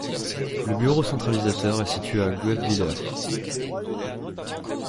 Le bureau centralisateur est situé à Guebwiller.